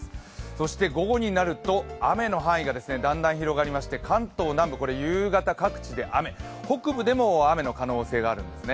そして午後になると雨の範囲がだんだん広がりまして関東南部夕方各地で雨、北部でも雨の可能性があるんですね。